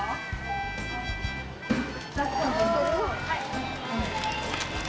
はい。